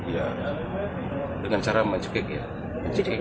ya dengan cara mencekik ya